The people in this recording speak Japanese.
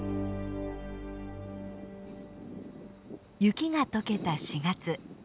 雪が解けた４月。